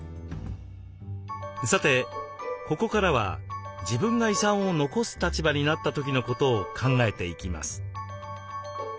さてここからは自分が遺産を残す立場になった時のことを考えていきます。